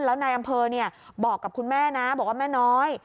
แล้วนายอำเภอบอกกับคุณแม่นะบอกว่าแม่น้อย